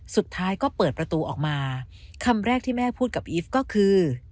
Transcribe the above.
สุดท้ายก็เปิดประตูออกมาคำแรกที่แม่พูดกับอีฟก็คือ